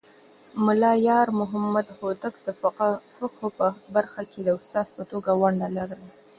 ملا يارمحمد هوتک د فقهه په برخه کې د استاد په توګه ونډه لرله.